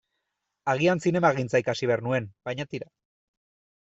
Agian zinemagintza ikasi behar nuen, baina tira.